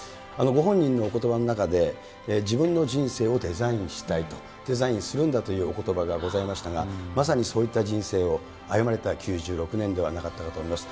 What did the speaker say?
ご本人のおことばの中で、自分の人生をデザインしたいと、デザインするんだというおことばがございましたが、まさにそういった人生を歩まれた９６年ではなかったかと思います。